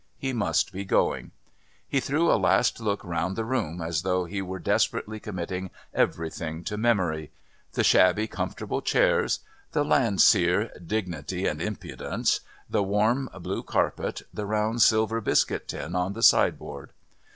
He must be going. He threw a last look round the room as though he were desperately committing everything to memory the shabby, comfortable chairs, the Landseer "Dignity and Impudence," the warm, blue carpet, the round silver biscuit tin on the sideboard.